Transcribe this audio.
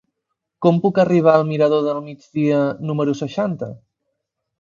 Com puc arribar al mirador del Migdia número seixanta?